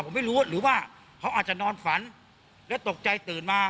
ผมไม่รู้หรือว่าเขาอาจจะนอนฝันแล้วตกใจตื่นมา